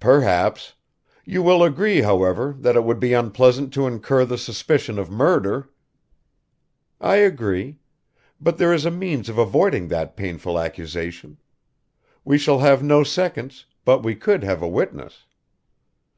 "Perhaps. You will agree, however, that it would be unpleasant to incur the suspicion of murder?" "I agree. But there is a means of avoiding that painful accusation. We shall have no seconds, but we could have a witness."